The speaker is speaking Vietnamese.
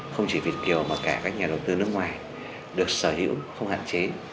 không chỉ việt kiều mà cả các nhà đầu tư nước ngoài được sở hữu không hạn chế